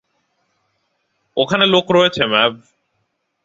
ওখানে লোক রয়েছে, ম্যাভ।